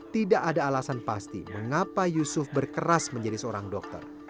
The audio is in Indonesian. tidak ada alasan pasti mengapa yusuf berkeras menjadi seorang dokter